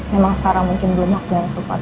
memang sekarang mungkin belum waktu yang tepat